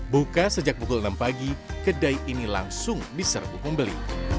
buka sejak pukul enam pagi kedai ini langsung diserbu pembeli